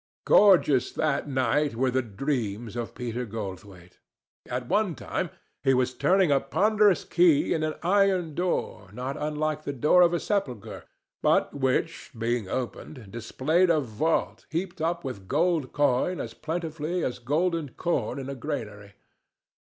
Gorgeous that night were the dreams of Peter Goldthwaite. At one time he was turning a ponderous key in an iron door not unlike the door of a sepulchre, but which, being opened, disclosed a vault heaped up with gold coin as plentifully as golden corn in a granary.